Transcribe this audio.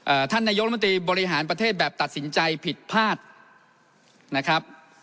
ท่านนายกรัฐมนตรีบริหารประเทศแบบตัดสินใจผิดพลาดนะครับ